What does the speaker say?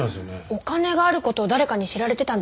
お金がある事を誰かに知られてたんでしょうか？